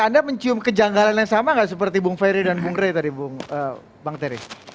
anda mencium kejanggalan yang sama nggak seperti bung ferry dan bung rey tadi bang terry